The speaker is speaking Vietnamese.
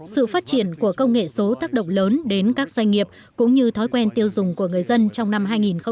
sự phát triển của công nghệ số tác động lớn đến các doanh nghiệp cũng như thói quen tiêu dùng của người dân trong năm hai nghìn một mươi chín